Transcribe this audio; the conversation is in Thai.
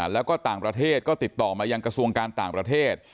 แล้วก็ต่างประเทศก็ติดต่อมายังกระทรวงการต่างประเทศ